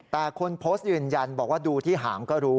แต่คนโพสต์ยืนยันบอกว่าดูที่หางก็รู้